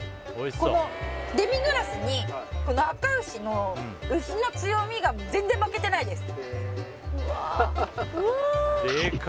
このデミグラスにこのあか牛の牛の強みが全然負けてないです